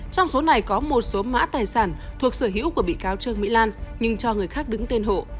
trong số này có một số mã tài sản thuộc sở hữu của bị cáo trương mỹ lan nhưng cho người khác đứng tên hộ